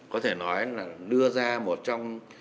có thể nói là đưa ra một trong